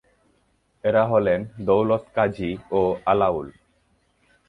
এরা হলেন, দৌলতকাজী ও আলাওল।